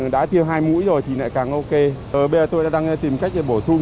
đã tiêm hai mũi rồi thì lại càng ok bây giờ tôi đang tìm cách để bổ sung